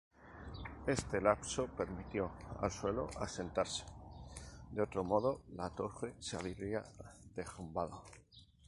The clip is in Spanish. Este lapso permitió al suelo asentarse: de otro modo, la torre se habría derrumbado.